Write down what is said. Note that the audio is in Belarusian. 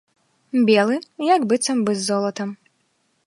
Белы, як быццам бы з золатам.